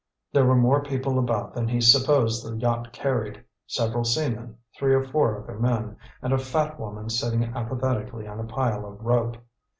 There were more people about than he supposed the yacht carried: several seamen, three or four other men, and a fat woman sitting apathetically on a pile of rope.